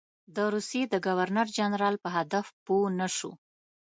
د روسیې د ګورنر جنرال په هدف پوه نه شو.